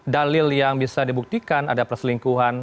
dalil yang bisa dibuktikan ada perselingkuhan